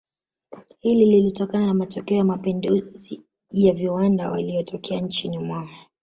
Hii ilitokana na matokeo ya mapinduzi ya viwanda yaliyotokea nchini mwao